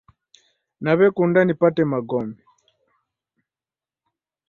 Nawekunda nipate magome